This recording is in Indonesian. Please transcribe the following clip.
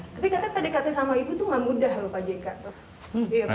tapi katanya pdkt sama ibu tuh gak mudah loh pak jk tuh